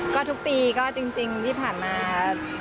ก็ทุกปีก็จริงที่ผ่านมา